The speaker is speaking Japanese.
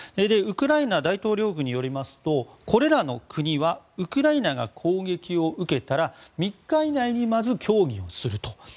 ウクライナ大統領府によりますとこれらの国はウクライナが攻撃を受けたら３日以内に、まず協議をすると。